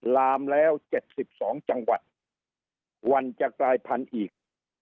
ลามแล้ว๗๒จังหวัดวันจะกลายพันธุ์อีก